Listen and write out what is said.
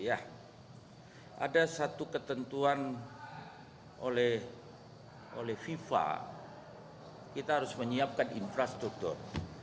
ada satu ketentuan oleh fifa kita harus menyiapkan infrastruktur